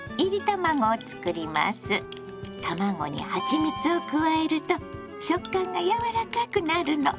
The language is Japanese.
卵にはちみつを加えると食感がやわらかくなるの。